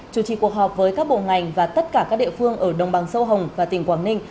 chủ trì cuộc họp với các bộ ngành và tất cả các địa phương ở đồng bằng sông hồng và tỉnh quảng ninh